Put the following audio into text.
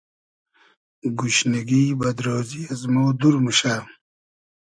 گوشنیگی ، بئد رۉزی از مۉ دور موشۂ